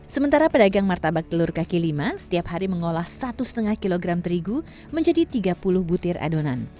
sementara pedagang martabak telur kaki lima setiap hari mengolah satu lima kg terigu menjadi tiga puluh butir adonan